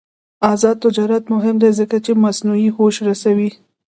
آزاد تجارت مهم دی ځکه چې مصنوعي هوش رسوي.